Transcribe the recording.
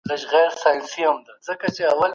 تاسي کله د هیواد د بیرغ درناوی وکړی؟